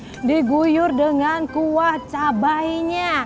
plus masih diguyur dengan kuah cabainya